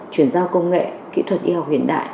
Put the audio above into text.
chuyển giao công nghệ kỹ thuật y học hiện đại